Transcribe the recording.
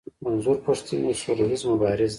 منظور پښتين يو سوله ايز مبارز دی.